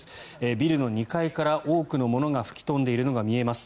ビルの２階から多くのものが吹き飛んでいるのが見えます。